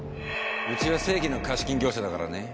うちは正規の貸金業者だからね。